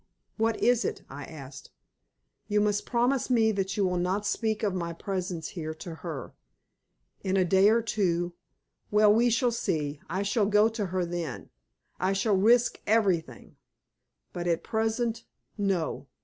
"What is it?" I asked. "You must promise me that you will not speak of my presence here to her. In a day or two well, we shall see. I shall go to her then; I shall risk everything. But at present, no!